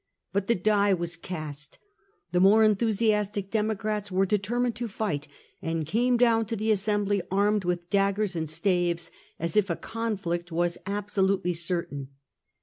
But the die was cast. The more enthusiastic Democrats were deter mined to fight, and came down to the assembly armed with daggers and staves as if a conflict was absolutely certain.